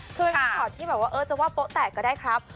คือมีช็อตที่แบบว่าเออจะว่าโป๊ะแตกก็ได้ครับ